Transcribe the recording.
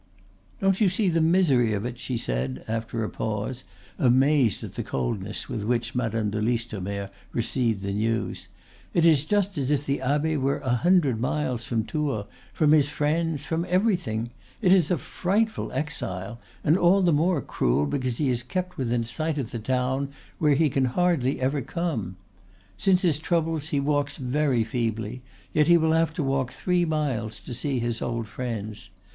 "Don't you see the misery of it?" she said, after a pause, amazed at the coldness with which Madame de Listomere received the news. "It is just as if the abbe were a hundred miles from Tours, from his friends, from everything! It is a frightful exile, and all the more cruel because he is kept within sight of the town where he can hardly ever come. Since his troubles he walks very feebly, yet he will have to walk three miles to see his old friends.